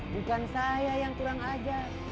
bukan saya yang kurang ajar